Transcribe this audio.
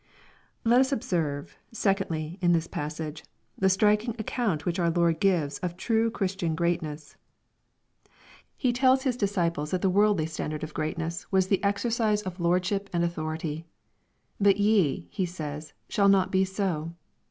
Let us observe, secondly, in this passage, the striking account lohich our Lord gives of true Christian greatness. He tells His disciples that the worldly standard of greaN 404 EXPOSITORY THOUGHTS. ness was the exercise of lordship and authority. " But ye/' He says, " shall not be so.